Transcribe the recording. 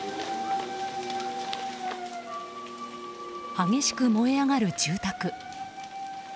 激しく燃え上がる住宅。